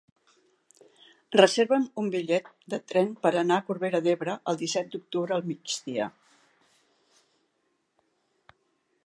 Reserva'm un bitllet de tren per anar a Corbera d'Ebre el disset d'octubre al migdia.